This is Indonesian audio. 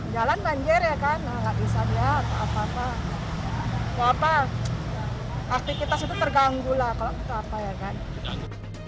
jalan banjir ya kan nggak bisa lihat apa apa apa apa aktivitas itu terganggu lah kalau